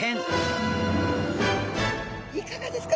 いかがですか？